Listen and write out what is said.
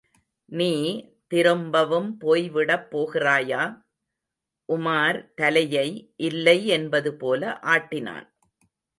நீ திரும்பவும் போய்விடப் போகிறாயா? உமார் தலையை இல்லை என்பது போல ஆட்டினான்.